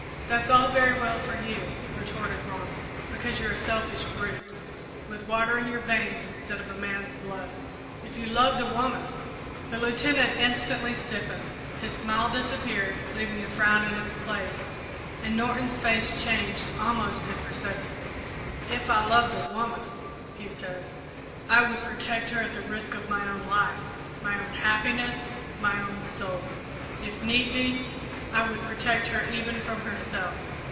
"That's all very well for you," retorted Ronald, "because you're a selfish brute, with water in your veins instead of a man's blood. If you loved a woman " The Lieutenant instantly stiffened. His smile disappeared, leaving a frown in its place, and Norton's face changed, almost imperceptibly. "If I loved a woman," he said, "I would protect her at the risk of my own life, my own happiness, my own soul. If need be, I would protect her even from herself.